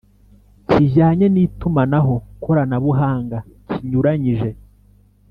kijyanye n itumanaho koranabuhanga kinyuranyije